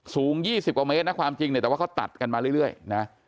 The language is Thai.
สูง๒๐กว่าเมตรนะความจริงเนี่ยแต่ว่าเขาตัดกันมาเรื่อยนะ